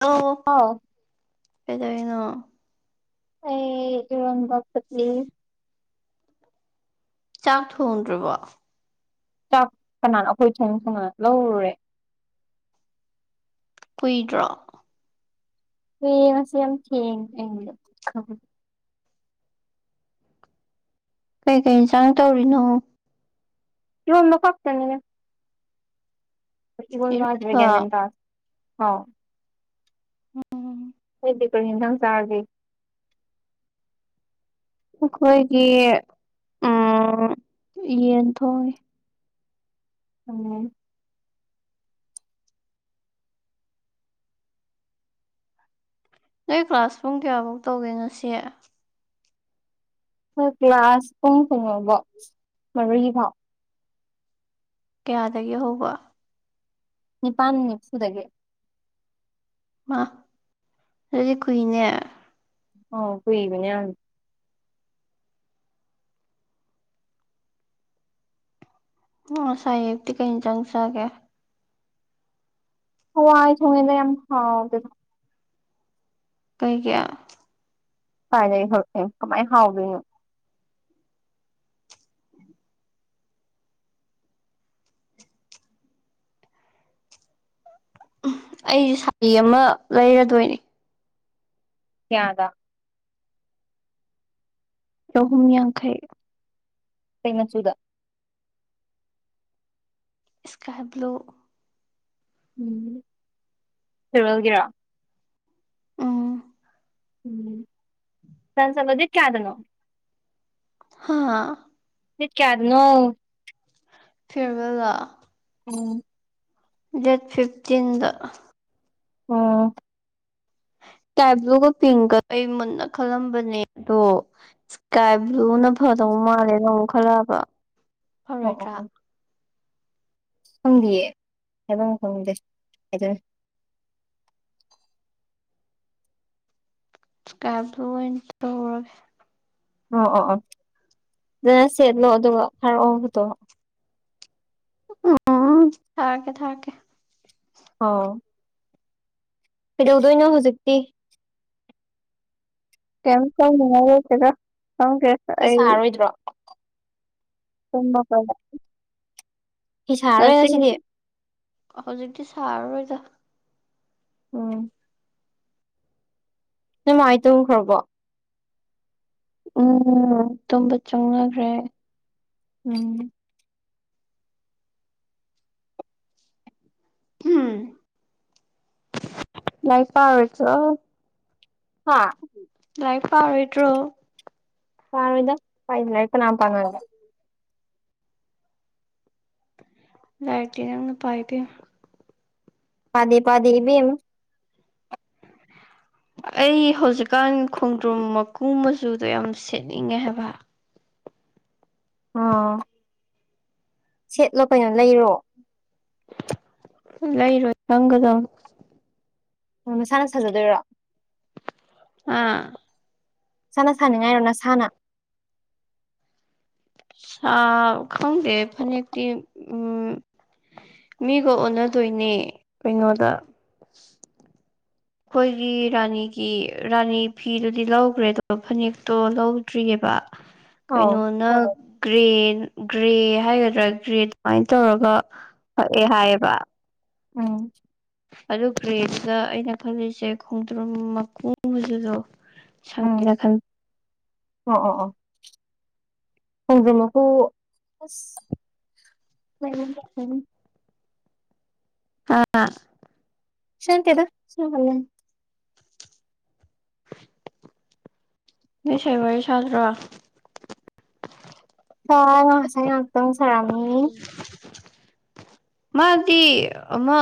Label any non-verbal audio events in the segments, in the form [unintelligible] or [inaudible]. hello ꯑꯥꯎ ꯀꯩꯗꯧꯔꯤꯅꯣ ꯑꯩ ꯏꯔꯣꯟꯕ ꯐꯨꯠꯂꯤ ꯆꯥꯛ ꯊꯣꯡꯗ꯭ꯔꯕꯣ ꯥꯆꯥꯛ ꯀꯅꯥꯅ ꯑꯈꯣꯏ ꯊꯣꯡꯁꯨ ꯊꯣꯡꯗꯅ ꯂꯧꯔꯨꯔꯦ ꯀꯨꯏꯗ꯭ꯔꯣ ꯑꯩ ꯉꯁꯤ ꯌꯥꯝ ꯊꯦꯡꯉꯦ [unintelligible] ꯀꯩꯀꯩ ꯏꯟꯁꯥꯡ ꯇꯧꯔꯤꯅꯣ ꯌꯣꯟꯕ ꯈꯛꯇꯅꯤꯗ [unintelligible] ꯏꯔꯣꯝꯕ ꯒ꯭ꯌꯥꯟ ꯃꯦꯟ ꯇꯥꯗꯦ ꯍꯥꯎ ꯎꯝ ꯅꯪꯗꯤ ꯀꯔꯤ ꯏꯟꯖꯥꯡ ꯆꯥꯔꯒꯦ ꯑꯩꯈꯣꯏꯒꯤ ꯎꯝ ꯌꯦꯟ ꯊꯣꯡꯉꯦ ꯎꯝ ꯅꯣꯏ ꯀ꯭ꯂꯥꯁ ꯄꯨꯡ ꯀꯌꯥꯐꯧ ꯇꯧꯒꯦ ꯉꯁꯤ ꯑꯈꯣꯏ ꯀ꯭ꯂꯥꯁ ꯄꯨꯡ ꯀꯩꯅꯣ ꯐꯥꯎ ꯃꯔꯤ ꯐꯥꯎ ꯀꯥꯌꯗꯒꯤ ꯍꯧꯕ ꯅꯤꯄꯥꯟ ꯃꯤꯅꯠ ꯅꯤꯐꯨꯗꯒꯤ ꯃꯥ ꯑꯗꯨꯗꯤ ꯀꯨꯏꯅꯦ ꯑꯧ ꯀꯨꯏꯕꯅꯤ ꯌꯥꯝ ꯉꯁꯥꯏ ꯑꯌꯨꯛꯇꯤ ꯀꯩꯏꯟꯁꯥꯡ ꯆꯥꯒꯦ ꯍꯋꯥꯏ ꯊꯣꯡꯉꯦꯗ ꯌꯥꯝ ꯍꯥꯎꯇꯦꯗ ꯀꯩꯒꯤ ꯀꯥꯏꯗꯩ ꯍꯣꯏ ꯀꯃꯥꯏ ꯍꯥꯎꯗꯣꯏꯅꯣ ꯎꯝ ꯑꯩꯁꯨ ꯁꯥꯔꯤ ꯑꯃ ꯂꯩꯔꯗꯣꯏꯅꯤ ꯀꯥꯌꯗ ꯆꯥꯍꯨꯝ ꯌꯥꯡꯈꯩ ꯀꯩ ꯃꯆꯨꯗ ꯏꯁ꯭ꯀꯥꯏ ꯕ꯭ꯂꯨ ꯎꯝ ꯐꯤꯔꯌꯦꯜꯒꯤꯔꯣ ꯎꯝ ꯎꯝ ꯗꯦꯠ ꯀꯌꯥꯗꯅꯣ ꯍꯥꯥ ꯗꯦꯠ ꯀꯌꯥꯗꯅꯣ [unintelligible] ꯎꯝ ꯗꯦꯠ ꯐꯤꯞꯇꯤꯟꯗ ꯑꯥ [inaudible] ꯏꯁꯀꯥꯏ ꯕ꯭ꯂꯨꯒ ꯄꯤꯡꯀ ꯑꯩ ꯃꯨꯟꯅ ꯈꯜꯂꯝꯕꯅꯦ ꯑꯗꯣ ꯏꯁꯀꯥꯏ ꯕ꯭ꯂꯨꯅ ꯐꯗꯧ ꯅ ꯃꯥꯜꯂꯦ ꯅ ꯈꯜꯂꯛꯑꯕ ꯑꯣ ꯑꯣ ꯐꯔꯣꯏꯗ꯭ꯔꯥ ꯑꯣ ꯈꯪꯗꯤꯌꯦ ꯍꯥꯏꯐꯝ ꯈꯪꯗꯦ ꯏ꯭ꯁꯀꯥꯕꯂꯨ ꯑꯣꯏꯅ ꯇꯧꯔꯒꯦ ꯑꯣ ꯑꯣ ꯑꯣ ꯐꯖꯅ ꯁꯦꯠꯂꯣ ꯑꯗꯨꯒ ꯊꯥꯔꯛ ꯑꯣ ꯐꯣꯇꯣ ꯎꯝ ꯊꯥꯔꯛꯀꯦ ꯊꯥꯔꯛꯀꯦ ꯑꯧ ꯀꯩꯗꯧꯗꯣꯏꯅꯣ ꯍꯧꯖꯤꯛꯇꯤ ꯀꯩꯝ ꯇꯧꯅꯤꯡꯉꯥꯏ ꯂꯩꯇꯦꯗ ꯈꯪꯗꯦ ꯐꯤ ꯑꯩ ꯁꯥꯔꯔꯣꯏꯗ꯭ꯔꯣ [inaudible] ꯄꯨꯡ ꯃꯥꯄꯟꯗ ꯐꯤ ꯁꯥꯔꯔꯣꯏ ꯉꯥꯁꯤꯗꯤ ꯍꯧꯖꯤꯛꯇꯤ ꯁꯥꯔꯔꯣꯏꯗ ꯎꯝ ꯅꯣꯏ ꯃꯥ ꯍꯣꯏ ꯇꯨꯝꯈ꯭ꯔꯕꯣ ꯎꯝ ꯇꯨꯝꯕ ꯆꯪꯅꯈ꯭ꯔꯦ ꯎꯝ ꯍꯝ ꯂꯥꯏꯔꯤꯛ ꯄꯥꯔꯣꯏꯗ꯭ꯔꯣ ꯍꯥ ꯂꯥꯏꯔꯤꯛ ꯄꯥꯔꯣꯏꯗ꯭ꯔꯣ ꯄꯔꯣꯏꯗ ꯂꯥꯍꯔꯤꯛꯄꯨ ꯀꯥꯅ ꯄꯥꯅꯒꯦ ꯂꯥꯏꯔꯤꯛꯇꯤ ꯅꯪꯅ ꯄꯥꯏ ꯕꯦꯝꯃ ꯄꯥꯗꯦ ꯄꯥꯗꯦ ꯏꯕꯦꯝꯃ ꯑꯩ ꯍꯧꯖꯤꯛꯀꯥꯟ ꯈꯣꯡꯗ꯭ꯔꯨꯝ ꯃꯀꯨ ꯃꯆꯨꯗꯣ ꯌꯥꯝ ꯁꯦꯠꯅꯤꯡꯉꯦ ꯍꯥꯏꯕ ꯑꯣ ꯁꯦꯠꯂꯣ ꯀꯩꯅꯣ ꯂꯩꯔꯣ ꯂꯩꯔꯣꯏ ꯁꯪꯒꯗꯕꯅꯤ ꯑꯣ ꯃꯁꯥꯅ ꯁꯥꯖꯗꯣꯏꯔꯣ ꯑꯥ ꯅꯁꯥꯥꯅ ꯁꯥꯅꯤꯡꯉꯥꯏꯔꯣ ꯅꯁꯥꯅ ꯁꯥ ꯈꯪꯗꯦ ꯐꯅꯦꯛꯇꯤ ꯎꯝ ꯃꯤꯒ ꯑꯣꯟꯅꯗꯣꯏꯅꯦ ꯀꯩꯅꯣꯗ ꯑꯩꯈꯣꯏꯒꯤ ꯔꯥꯅꯤꯒꯤ ꯔꯥꯅꯤ ꯐꯤꯗꯨꯗꯤ ꯂꯧꯈ꯭ꯔꯦ ꯑꯗꯣ ꯐꯅꯦꯛꯇꯣ ꯂꯧꯗ꯭ꯔꯤꯑꯕ ꯑꯥꯎ ꯀꯩꯅꯣꯅ ꯒ꯭ꯔꯦ ꯒ꯭ꯔꯦ ꯍꯥꯏꯒꯗ꯭ꯔꯥ ꯒ꯭ꯔꯦ ꯑꯗꯨꯃꯥꯏꯅ ꯇꯧꯔꯒ ꯄꯛꯑꯦ ꯍꯥꯏꯌꯦꯕ ꯎꯝ ꯑꯗꯨ ꯒ꯭ꯔꯦꯗꯨꯗ ꯑꯩꯅ ꯈꯜꯂꯤꯁꯦ ꯈꯣꯡꯗ꯭ꯔꯨꯝ ꯃꯀꯨꯗꯣ ꯎꯝ ꯑꯣ ꯑꯣ ꯑꯣ ꯈꯣꯡꯗ꯭ꯔꯨꯨꯨꯝ ꯃꯀꯨ ꯑꯁ [unintelligible] ꯑꯥ ꯁꯟꯇꯦꯗ ꯁꯨꯝ ꯍꯪꯕꯅꯤ [inaudible] ꯅꯣꯏ ꯁꯥꯏ ꯋꯥꯔꯤ ꯁꯥꯟꯅꯗ꯭ꯔꯣ ꯁꯥꯏ ꯉꯁꯥꯏ ꯉꯥꯛꯇꯪ ꯁꯥꯔꯝꯅꯤ ꯃꯥꯗꯤ ꯑꯃ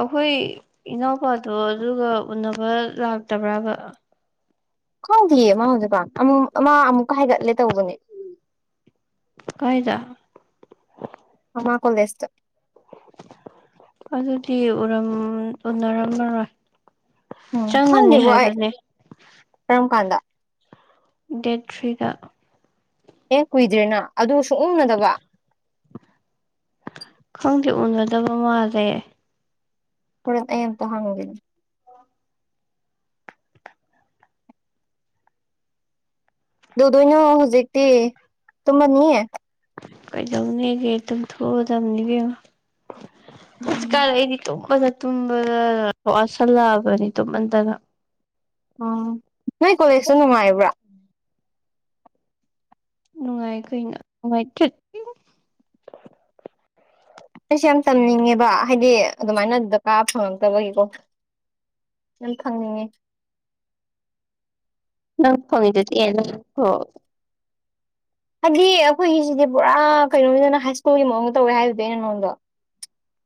ꯑꯈꯣꯏ ꯏꯅꯥꯎꯄꯗꯣ ꯑꯗꯨꯒ ꯎꯅꯕ ꯂꯥꯛꯇꯕ꯭ꯔꯥꯕ ꯈꯪꯗꯤꯌꯦ ꯃꯥ ꯍꯧꯖꯤꯛꯀꯥꯟ ꯑꯃ ꯃꯥ ꯑꯃꯨꯛꯀ ꯍꯥꯏꯒꯠꯂꯦ ꯇꯧꯕꯅꯦ ꯀꯥꯏꯗ ꯑꯃꯥ ꯀꯣꯜꯂꯦꯖꯇ ꯑꯗꯨꯗꯤ ꯎꯔꯝ ꯎꯅꯔꯝꯃꯔꯣꯏ ꯎꯝ ꯆꯪꯉꯅꯤ ꯈꯪꯗꯦꯕꯣ ꯑꯩ ꯍꯥꯏꯕꯅꯦ ꯀꯔꯝ ꯀꯥꯟꯗ ꯗꯦꯠ ꯊ꯭ꯔꯤꯗ ꯑꯦ ꯀꯨꯏꯗ꯭ꯔꯦꯅ ꯑꯗꯨ ꯁꯨꯡꯎ ꯎꯅꯗꯕ ꯈꯪꯗꯦ ꯎꯅꯗꯕ ꯃꯥꯜꯂꯦ ꯍꯣꯔꯦꯟ ꯑꯩ ꯑꯝꯇ ꯍꯪꯒꯦꯅꯦ ꯀꯩꯗꯧꯗꯣꯏꯅꯣ ꯍꯧꯖꯤꯛꯇꯤ ꯇꯨꯝꯃꯅꯤ ꯀꯩꯗꯧꯅꯤꯒꯦ ꯇꯨꯝꯊꯣꯛꯑꯗꯕꯅꯤ ꯏꯕꯦꯝꯃ ꯎꯝ ꯍꯧꯖꯤꯛꯀꯥꯟ ꯑꯩꯗꯤ ꯇꯨꯝ ꯇꯨꯝꯕꯗ ꯇꯨꯝꯕꯗ ꯋꯥꯁꯜꯂꯛꯑꯕꯅꯤ ꯇꯨꯝꯃꯟꯗꯅ ꯑꯥ ꯅꯣꯏ ꯀꯣꯜꯂꯦꯖꯇꯣ ꯅꯨꯡꯉꯥꯏꯕ꯭ꯔꯥ ꯅꯨꯡꯉꯥꯏ ꯀꯩꯅꯣ ꯅꯨꯡꯉꯥꯏ [unintelligible] ꯑꯩꯁꯨ ꯌꯥꯝ ꯇꯝꯅꯤꯡꯉꯦꯕ ꯍꯥꯏꯗꯤ ꯑꯗꯨꯃꯥꯏꯅ ꯑꯥꯗ ꯀꯥ ꯐꯪꯉꯛꯇꯕꯒꯤꯀꯣ ꯌꯥꯝ ꯊꯝꯅꯤꯡꯉꯦ ꯅꯪ ꯐꯪꯉꯤꯗꯨꯗꯤ [unintelligible] ꯍꯥꯏꯗꯤ ꯑꯩꯈꯣꯏꯒꯤꯁꯤꯗꯤ ꯄꯨꯔꯥ ꯀꯩꯅꯣꯅꯤꯗꯅ ꯍꯥꯏ ꯁ꯭ꯀꯨꯜꯒꯤ ꯃꯑꯣꯡꯗ ꯇꯧꯋꯦ ꯍꯥꯏꯕꯗꯨ ꯑꯩꯅ ꯅꯉꯣꯟꯗꯣ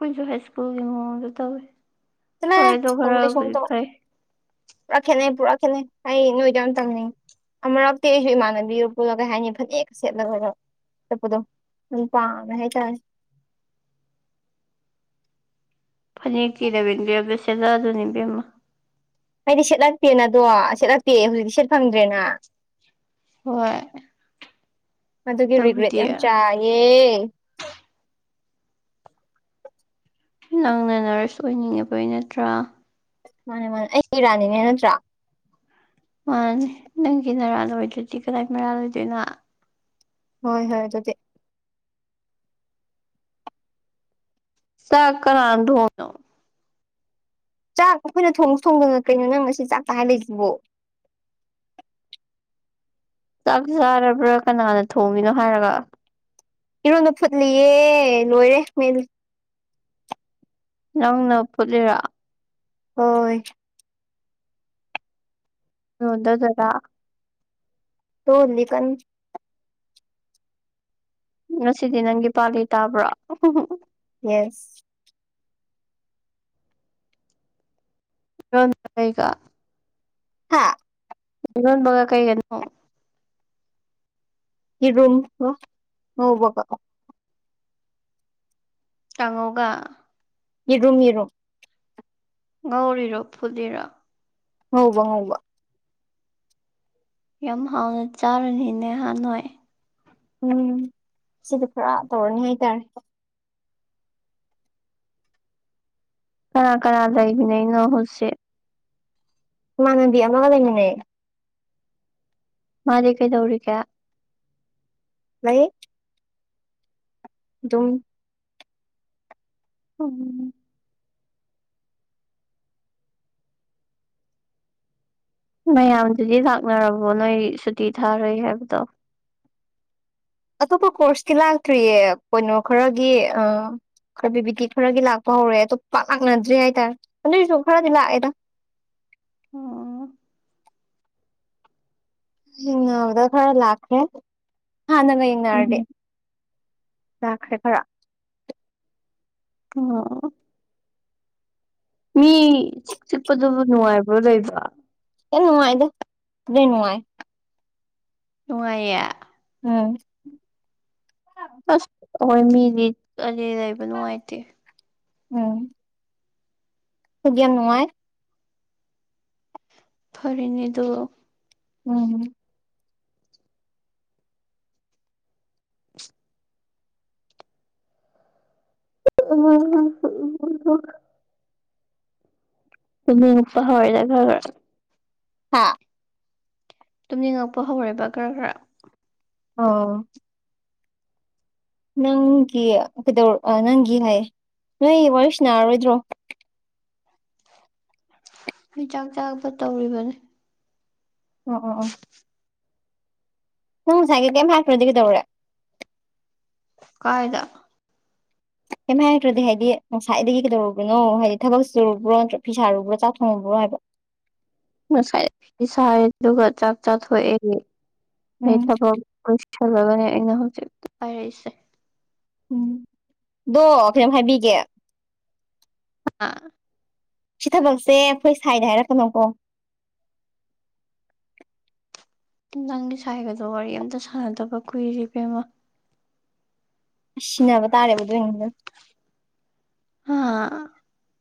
ꯑꯩꯈꯣꯏꯁꯨ ꯍꯥꯏ ꯁ꯭ꯀꯨꯜꯒꯤ ꯃꯑꯣꯡꯗ ꯇꯧꯏ ꯆꯠꯂꯍꯦ ꯇꯧꯗꯦ ꯁꯨꯡꯇꯧ ꯄꯨꯔꯥ ꯈꯦꯠꯅꯩ ꯄꯨꯔꯥ ꯈꯦꯠꯅꯩ ꯑꯩ ꯅꯣꯏꯗ ꯌꯥꯝ ꯇꯝꯅꯤꯡꯉꯤ ꯑꯃꯨꯔꯛꯇꯤ ꯑꯩꯁꯨ ꯏꯃꯥꯟꯅꯕꯤ ꯄꯨꯜꯂ ꯀꯩ ꯍꯥꯏꯅꯤ ꯐꯅꯦꯛ ꯁꯦꯠꯂꯒ ꯆꯠꯄꯗꯣ ꯗꯨꯝ ꯄꯥꯝꯃꯦ ꯍꯥꯏꯇꯥꯔꯦ [inaudible] ꯐꯅꯦꯛ [unintelligible] ꯁꯦꯠꯅꯗꯕꯅꯤ ꯏꯕꯦꯝꯃ ꯍꯥꯏꯗꯤ ꯁꯦꯠꯂꯛꯇꯦꯅꯗꯣ ꯁꯦꯠꯂꯛꯇꯦ ꯍꯧꯖꯤꯛꯇꯤ ꯐꯪꯗ꯭ꯔꯦꯅ ꯍꯣꯏ ꯑꯗꯨꯒꯤ ꯔꯤꯒ꯭ꯔꯦꯠ ꯑꯗꯨꯕꯨꯗꯤ ꯌꯥꯝ ꯆꯥꯏꯌꯦ ꯅꯪꯅ ꯅꯔꯁ ꯑꯣꯏꯅꯤꯡꯉꯨꯕꯩ ꯅꯠꯇ꯭ꯔꯥ ꯃꯥꯟꯅꯦ ꯃꯥꯟꯅꯦ ꯑꯩ ꯏꯔꯥꯟꯅꯤꯅꯦ ꯅꯠꯇ꯭ꯔꯥ ꯃꯥꯟꯅꯤ ꯅꯪꯒꯤ ꯅꯔꯥꯜ ꯑꯣꯏꯗ꯭ꯔꯗꯤ ꯀꯅꯥꯏ ꯃꯔꯥꯜ ꯑꯣꯏꯗꯣꯏꯅꯣ ꯍꯣꯏ ꯍꯣꯏ ꯑꯗꯨꯗꯤ ꯆꯥꯛ ꯀꯅꯥꯅ ꯊꯣꯡꯉꯤꯅꯣ ꯆꯥꯛ ꯑꯈꯣꯏꯅ ꯊꯣꯡꯁꯨ ꯊꯣꯡꯗꯅ ꯀꯩꯅꯣ ꯅꯪ ꯉꯁꯤ ꯆꯥꯛꯇ ꯍꯥꯏ ꯂꯩꯁꯤꯕꯣ [inaudible] ꯆꯥꯛ ꯆꯥꯔꯕ꯭ꯔꯥ ꯀꯅꯥꯅ ꯊꯣꯡꯉꯤꯅꯣ ꯍꯥꯏꯔꯒ ꯏꯔꯣꯟꯕ ꯐꯨꯠꯂꯤꯌꯦ ꯂꯣꯏꯔꯦ ꯃꯦꯠꯂꯤ ꯅꯪꯅ ꯐꯨꯠꯂꯤꯔꯥ ꯍꯣꯏ ꯌꯣꯟꯗ ꯗꯗꯥ ꯇꯣꯠꯂꯤ ꯀꯟꯅ ꯉꯁꯤꯗꯤ ꯅꯪꯒꯤ ꯄꯥꯂꯤ ꯇꯥꯕ꯭ꯔꯣ ꯌꯦꯁ ꯏꯔꯣꯟ ꯀꯩꯒ ꯍꯥꯥ ꯏꯔꯣꯟꯕꯒ ꯀꯩꯒꯅꯣ ꯌꯦꯔꯨꯝꯒ ꯉꯧꯕꯒ ꯀꯥꯡꯒꯧꯒ ꯌꯦꯔꯨꯝ ꯌꯦꯔꯨꯝ ꯉꯧꯔꯤꯔꯣ ꯐꯨꯠꯂꯤꯔꯣ ꯉꯧꯕ ꯉꯧꯕ ꯌꯥꯝ ꯍꯥꯎꯅ ꯆꯥꯔꯅꯤꯅꯦ ꯍꯥ ꯅꯣꯏ ꯎꯝ ꯁꯤꯗꯤ ꯈꯔ ꯇꯧꯔꯅꯤ ꯍꯥꯏꯇꯥꯔꯦ ꯀꯅꯥ ꯀꯅꯥ ꯂꯩꯃꯤꯟꯅꯩꯅꯣ ꯍꯧꯖꯤꯛ ꯏꯃꯥꯟꯅꯕꯤ ꯑꯃꯒ ꯂꯩꯃꯤꯟꯅꯩꯌꯦ ꯃꯥꯗꯤ ꯀꯩꯗꯧꯔꯤꯒꯦ ꯂꯩ ꯗꯨꯝ ꯎꯝ ꯃꯌꯥꯝꯗꯨꯗꯤ ꯂꯥꯛꯅꯔꯕꯣ ꯅꯣꯏꯒꯤ ꯁꯨꯇꯤ ꯊꯥꯔꯨꯏ ꯍꯥꯏꯕꯗꯣ ꯑꯇꯣꯞꯄ ꯀꯣꯔꯁꯀꯤ ꯂꯥꯛꯇ꯭ꯔꯤꯌꯦ ꯀꯩꯅꯣ ꯈꯔꯒꯤ ꯑ ꯈꯔ ꯕꯤꯕꯤꯗꯤ ꯈꯔꯒꯤ ꯂꯥꯛꯄ ꯍꯧꯔꯦ ꯑꯇꯣꯞ ꯄꯥꯛ ꯂꯥꯛꯅꯗ꯭ꯔꯤ ꯍꯥꯏꯇꯥꯔꯦ ꯑꯗꯨꯏꯁꯨ ꯈꯔꯗꯤ ꯂꯥꯛꯑꯦꯗꯥ ꯑꯣ ꯊꯦꯡꯅꯕꯗ ꯈꯔ ꯂꯥꯛꯈ꯭ꯔꯦ ꯍꯥꯟꯅꯒ ꯌꯦꯡꯅꯔꯗꯤ ꯎꯝ ꯂꯥꯛꯈ꯭ꯔꯦ ꯈꯔ ꯑꯣ ꯃꯤ ꯆꯤꯛ ꯆꯤꯛꯄꯗꯨꯕꯨ ꯅꯨꯡꯉꯥꯏꯕ꯭ꯔꯣ ꯂꯩꯕ ꯌꯥꯝ ꯅꯨꯡꯉꯥꯏꯗ ꯂꯣꯏ ꯅꯨꯡꯉꯥꯏ ꯅꯨꯡꯉꯥꯏꯌꯦ ꯎꯝ ꯑꯁ ꯑꯍꯣꯏ ꯃꯤꯗꯤ ꯇꯔꯦꯠ ꯂꯩꯕ ꯅꯨꯡꯉꯥꯏꯇꯦ ꯎꯝ ꯈꯣꯏꯗꯤ ꯌꯥꯝ ꯅꯨꯡꯉꯥꯏ ꯐꯔꯦꯅꯦꯗꯨ ꯎꯝ [unintelligible] ꯇꯨꯝꯅꯤꯡꯉꯛꯄ ꯍꯧꯔꯦꯗ ꯈ꯭ꯔ ꯈ꯭ꯔ ꯍꯥꯥ ꯇꯨꯝꯅꯤꯡꯉꯛꯄ ꯍꯧꯔꯦꯕ ꯈꯔ ꯈꯔ ꯑꯣ ꯅꯪꯒꯤ ꯀꯩꯗꯧꯔ ꯅꯪꯒꯤ ꯍꯥꯏ ꯅꯣꯏ ꯋꯥꯔꯤ ꯁꯥꯟꯅꯥꯔꯣꯏꯗ꯭ꯔꯣ ꯅꯣꯏ ꯆꯥꯛ ꯆꯥꯕ ꯇꯧꯔꯤꯕꯅꯤ ꯑꯣ ꯑꯣ ꯑꯣ ꯅꯪ ꯉꯁꯥꯏꯒꯩ ꯀꯩꯝ ꯍꯥꯏꯔꯛꯇ꯭ꯔꯗꯤ ꯀꯩꯗꯧꯔꯦ ꯀꯥꯏꯗ ꯀꯩꯝ ꯍꯥꯏꯔꯛꯇ꯭ꯔꯗꯤ ꯍꯥꯏꯗꯤ ꯉꯁꯥꯏꯗꯒꯤ ꯀꯩꯗꯔꯨꯕꯅꯣ ꯍꯥꯏꯗꯤ ꯊꯕꯛ ꯆꯨꯕ꯭ꯔꯣ ꯅꯠꯇ꯭ꯔꯒ ꯐꯤ ꯁꯥꯔꯨꯕ꯭ꯔꯣ ꯆꯥꯛ ꯊꯣꯡꯉꯨꯕ꯭ꯔꯣ ꯍꯣꯏ [inaudible] ꯉꯁꯥꯏ ꯐꯤꯁꯥꯏꯌꯦ ꯑꯗꯨꯒ ꯆꯥꯛ ꯆꯥꯊꯣꯛꯑꯦ ꯑꯩ ꯎꯝ ꯊꯕꯛ ꯁꯜꯂꯒꯅꯦ ꯑꯩꯅ ꯍꯧꯖꯤꯛ ꯄꯥꯏꯔꯛꯏꯁꯦ ꯎꯝ ꯗꯣ ꯀꯩꯅꯣꯝ ꯍꯥꯏꯕꯤꯒꯦ ꯑꯥ ꯁꯤ ꯊꯕꯛꯁꯦ ꯑꯈꯣꯏ ꯁꯥꯏꯗ ꯍꯥꯏꯔꯛꯀꯅꯣꯀꯣ ꯨꯅꯪꯒꯤ ꯁꯥꯏꯒꯗꯣ ꯋꯥꯔꯤ ꯑꯝꯇ ꯁꯥꯟꯅꯗꯕ ꯀꯨꯏꯔꯦ ꯏꯕꯦꯝꯃ ꯁꯤꯅꯕ ꯇꯥꯔꯦꯕ ꯑꯗꯨꯏꯅꯤꯗ ꯍꯥ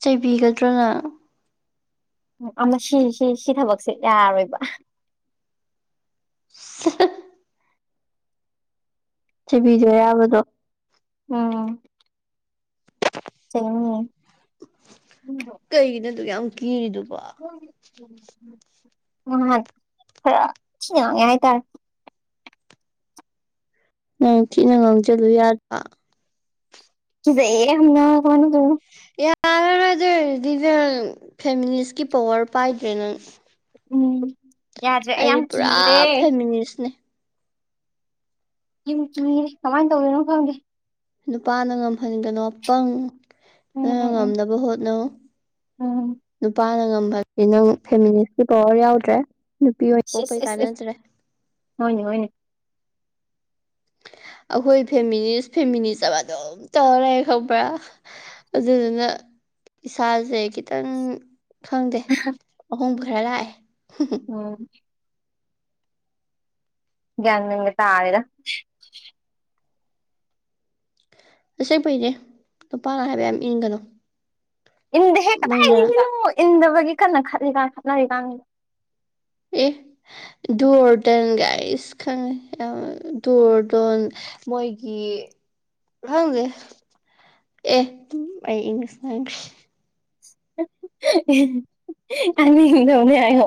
ꯆꯩꯕꯤꯒꯗ꯭ꯔꯥꯅ ꯎꯝ ꯑꯃꯨꯛ ꯁꯤ ꯁꯤ ꯁꯤ ꯊꯕꯛꯁꯦ ꯌꯥꯔꯣꯏꯕ [unintelligible] ꯆꯩꯕꯤꯗꯨꯏꯔꯕ ꯑꯗꯣ ꯎꯝ ꯆꯩꯅꯤꯌꯦ ꯀꯩꯒꯤꯅꯣ ꯑꯗꯨꯛ ꯌꯥꯝ ꯀꯤꯔꯤꯗꯨ [inaudible] ꯅꯍꯥꯟ ꯈꯥꯔ ꯊꯤꯅ ꯉꯥꯡꯉꯛꯑꯦ ꯍꯥꯏꯇꯔꯦ ꯅꯪ ꯊꯤꯅ ꯉꯥꯡꯖꯜꯂꯨ ꯌꯥꯗ꯭ꯔꯣ ꯀꯤꯖꯩꯌꯦ ꯌꯥꯝꯅ ꯀꯃꯥꯏ ꯇꯧꯗꯨꯏꯅꯣ ꯌꯥꯔꯔꯣꯏ ꯑꯗꯨ ꯑꯣꯏꯔꯗꯤ ꯅꯪ ꯐꯦꯃꯤꯅꯤꯁꯀꯤ ꯄꯥꯎꯋꯔ ꯄꯥꯏꯗ꯭ꯔꯦ ꯅꯪ ꯎꯝ ꯌꯥꯗ꯭ꯔꯦ ꯑꯩ ꯑꯩꯗꯤ ꯌꯥꯝ ꯀꯤꯔꯦ ꯄꯨꯔꯥ ꯐꯦꯃꯤꯅꯤꯁꯅꯦ ꯌꯥꯝ ꯀꯤꯔꯦ ꯀꯃꯥꯏꯅ ꯇꯧꯗꯨꯏꯅꯣ ꯈꯪꯗꯦ ꯅꯨꯄꯥꯅ ꯉꯝꯍꯟꯒꯅꯣ ꯑꯄꯪ ꯎꯝ ꯅꯪꯅ ꯎꯝ ꯎꯝ ꯉꯝꯅꯕ ꯍꯣꯠꯅꯧ ꯎꯝ ꯅꯨꯄꯥꯅ ꯉꯝꯕꯗꯤ ꯅꯪ ꯐꯦꯃꯤꯅꯤꯁꯀꯤ ꯄꯥꯎꯋꯔ ꯌꯥꯎꯗ꯭ꯔꯦ ꯅꯨꯄꯤ ꯑꯣꯏꯅ ꯁꯤꯁ ꯄꯣꯛꯄꯩ ꯏꯁ ꯏꯁ ꯀꯥꯟꯅꯗ꯭ꯔꯦ ꯍꯣꯏꯅꯦ ꯍꯣꯏꯅꯦ ꯑꯩꯈꯣꯏ ꯐꯦꯃꯤꯅꯤꯁ ꯐꯦꯃꯤꯅꯤꯖꯝ ꯑꯗꯨꯝ ꯇꯧꯔ ꯂꯩꯔꯦ ꯈꯪꯕ꯭ꯔꯥ ꯑꯗꯨꯗꯨꯅ ꯏꯁꯥꯁꯦ ꯈꯤꯇꯪ ꯈꯪꯗꯦ ꯑꯍꯣꯡꯕ ꯈꯥꯔ ꯂꯥꯛꯑꯦ ꯎꯝ ꯒ꯭ꯌꯥꯟ ꯃꯦꯟꯒ ꯇꯥꯗꯦꯗ ꯑꯁꯦꯡꯕꯩꯅꯦ ꯅꯨꯄꯥꯅ ꯍꯥꯏꯕ ꯌꯥꯝ ꯏꯟꯒꯅꯨ ꯏꯟꯗꯦꯍꯦ ꯃꯣꯏꯅ ꯀꯗꯥꯏꯗꯩꯅꯣ ꯏꯟꯗꯕꯒꯤ ꯀꯟꯅ ꯈꯠꯂꯤꯀꯥꯟ ꯈꯠꯅꯔꯤꯀꯥꯟ ꯑꯦ ꯗꯨ ꯑꯣꯔ ꯗꯟ ꯒꯥꯏ ꯑꯤꯁ ꯈꯪꯉꯦ ꯑꯃ ꯗꯨ ꯑꯣꯔ ꯗꯣꯟ ꯃꯣꯏꯒꯤ ꯈꯪꯗꯦ ꯑꯦ ꯑꯩ ꯏꯪꯂꯤꯁ ꯉꯥꯡꯈ꯭ꯔꯦ ꯑꯅꯤ ꯇꯧꯅꯦ ꯍꯥꯏꯌꯣ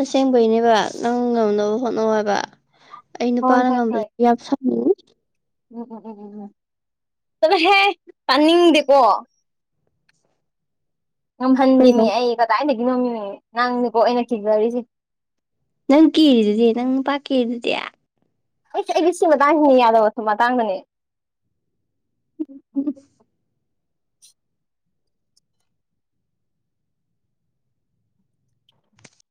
ꯑꯁꯦꯡꯕꯩꯅꯦꯕ ꯅꯪ ꯉꯝꯅꯕ ꯍꯣꯠꯅꯧ ꯍꯥꯏꯕ ꯑꯩ ꯍꯣꯏ ꯅꯨꯄꯥꯅ ꯍꯣꯏ ꯍꯣꯏ ꯉꯝꯕꯁꯤ ꯌꯥꯝ ꯁꯥꯎꯅꯤꯡꯉꯤ ꯎꯝ ꯎꯝ ꯎꯝ ꯎꯝ ꯆꯠ ꯂꯣ ꯍꯦ ꯇꯅꯤꯡꯗꯦꯀꯣ [inaudible] ꯉꯝꯍꯟꯗꯦꯃꯤ ꯀꯩꯅꯣ ꯑꯩ ꯀꯗꯥꯏꯗꯒꯤꯅꯣꯃꯤ ꯅꯪ ꯅꯤꯀꯣ ꯑꯩꯅ ꯀꯤꯖꯔꯤꯁꯦ ꯅꯪ ꯀꯦꯔꯤꯗꯨꯗꯤ ꯅꯪ ꯅꯨꯄꯥ ꯀꯦꯔꯤꯗꯨꯗꯤ ꯑꯩꯁ ꯑꯩꯗꯤ ꯁꯤ ꯃꯇꯥꯡꯁꯤꯅꯤ ꯌꯥꯗꯕ ꯃꯇꯥꯡꯗꯅꯤ ꯎꯝ